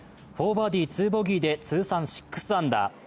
４バーディー・２ボギーで通算６アンダー。